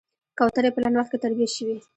کوترې په لنډ وخت کې تربيه شوې.